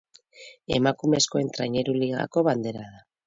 Emakumezkoen Traineru Ligako Bandera da.